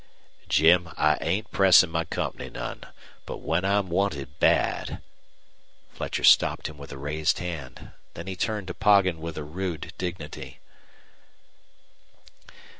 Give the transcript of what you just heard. "Jim, I ain't pressin' my company none. But when I'm wanted bad " Fletcher stopped him with a raised hand. Then he turned to Poggin with a rude dignity.